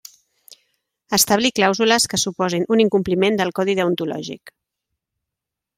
Establir clàusules que suposin un incompliment del Codi Deontològic.